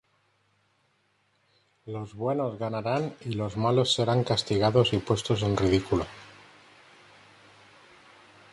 Los buenos ganarán y los malos serán castigados y puestos en ridículo.